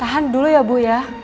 tahan dulu ya bu ya